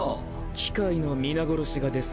機械の皆殺しがですか？